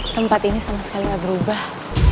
tempat ini sama sekali nggak berubah